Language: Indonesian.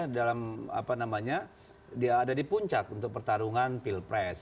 dalam apa namanya dia ada di puncak untuk pertarungan pilpres